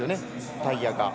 タイヤが。